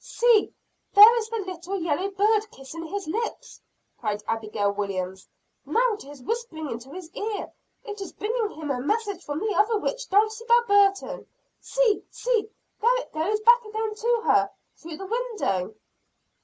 "See! there is the little yellow bird kissing his lips!" cried Abigail Williams. "Now it is whispering into his ear. It is bringing him a message from the other witch Dulcibel Burton. See! see! there it goes back again to her through the window!"